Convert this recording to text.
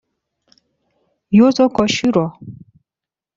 یوزو کوشیرو